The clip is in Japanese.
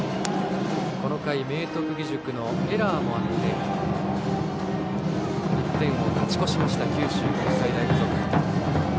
この回、明徳義塾のエラーもあり１点を勝ち越した九州国際大付属。